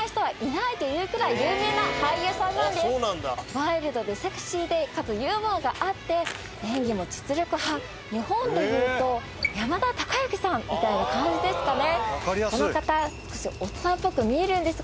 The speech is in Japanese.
ワイルドでセクシーでかつユーモアがあって演技も実力派日本でいうと山田孝之さんみたいな感じですかね